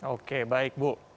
oke baik bu